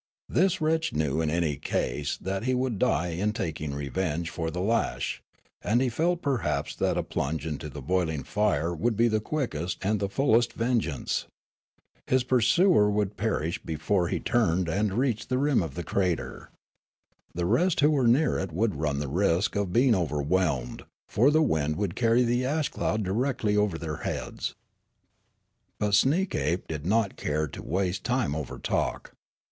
This wretch knew in any case that he would die in taking revenge for the lash, and he felt perhaps that a plunge into the boiling fire would be the quickest and the fullest vengeance. His pursuer would perish before he turned and reached 1 86 Riallaro the rim of the crater. The rest who were nearer it would run the risk of being overwhehned, for the wind would carry the ash cloud directly over their heads." But Sneekape did not care to waste time over talk.